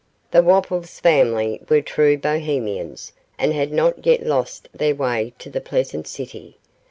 The Wopples family were true Bohemians, and had not yet lost their way to the pleasant city.